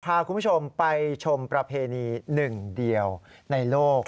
พาคุณผู้ชมไปชมประเพณีหนึ่งเดียวในโลก